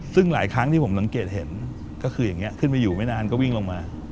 ซึ่งหลายครั้งที่ผมสังเกตเห็นก็คืออย่างนี้ขึ้นไปอยู่ไม่นานก็วิ่งลงมา